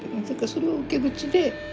だからそれを受け口で。